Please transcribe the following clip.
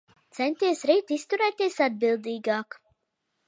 Centies rīt izturēties atbildīgāk.